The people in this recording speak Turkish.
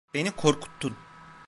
Beni korkuttun.